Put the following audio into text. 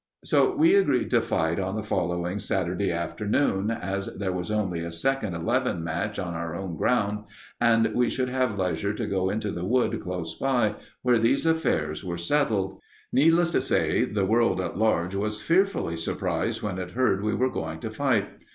So we agreed to fight on the following Saturday afternoon, as there was only a second eleven match on our own ground, and we should have leisure to go into the wood close by, where these affairs were settled. Needless to say, the world at large was fearfully surprised when it heard we were going to fight.